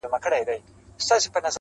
o بې کفنه ښه دئ، بې وطنه نه.